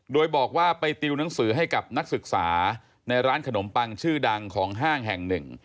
โดยบอกว่าไปติวหนังสือให้กับนักศึกษาในร้านขนมปังชื่อดังของห้างแห่งหนึ่ง